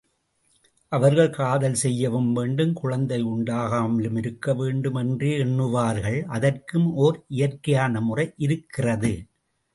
அவர்கள் காதல் செய்யவும் வேண்டும், குழந்தை உண்டாகாமலும் இருக்கவேண்டும் என்றே எண்ணுவார்கள் அதற்கும் ஓர் இயற்கையான முறை இருக்கிறது.